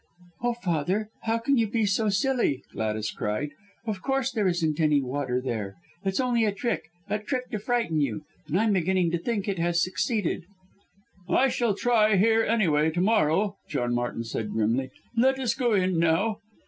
"Oh, Father, how can you be so silly," Gladys cried, "of course there isn't any water here. It's only a trick, a trick to frighten you and I'm beginning to think it has succeeded." "I shall try here anyway to morrow," John Martin said grimly. "Let us go in now."